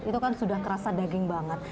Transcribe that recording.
itu kan sudah kerasa daging banget